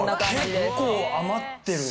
結構余ってるね。